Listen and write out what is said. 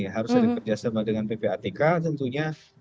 harus ada kerjasama dengan ppatk tentunya